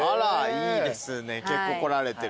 いいですね結構来られてる。